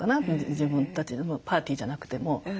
自分たちのパーティーじゃなくても。